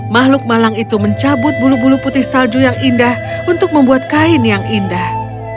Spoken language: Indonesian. makhluk malang itu mencabut bulu bulu putih salju yang indah untuk membuat kain yang indah